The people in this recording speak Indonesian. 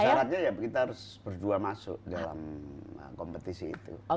syaratnya ya kita harus berdua masuk dalam kompetisi itu